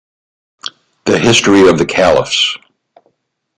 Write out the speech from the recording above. "The History of the Caliphs".